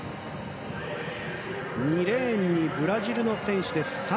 ２レーンにブラジルの選手です。